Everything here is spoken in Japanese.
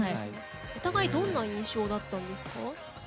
お互いどんな印象だったんですか？